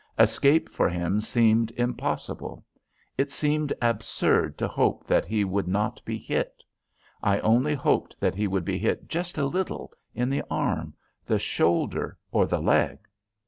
Escape for him seemed impossible. It seemed absurd to hope that he would not be hit; I only hoped that he would be hit just a little, in the arm, the shoulder, or the leg.